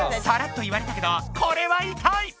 サラッと言われたけどこれはいたい！